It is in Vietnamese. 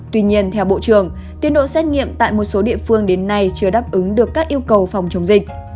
tuy nhiên theo bộ trưởng tiến độ xét nghiệm tại một số địa phương đến nay chưa đáp ứng được các yêu cầu phòng chống dịch